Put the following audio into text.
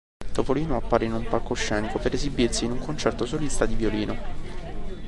Topolino appare in un palcoscenico per esibirsi in un concerto solista di violino.